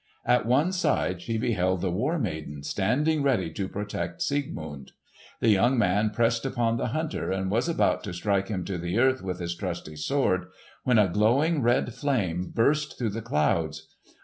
At one side she beheld the War Maiden standing ready to protect Siegmund. The young man pressed upon the hunter and was about to strike him to the earth with his trusty sword, when a glowing red flame burst through the clouds.